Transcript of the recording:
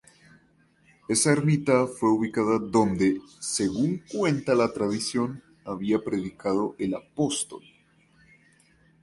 Esa ermita fue ubicada donde, según cuenta la tradición, había predicado el apóstol.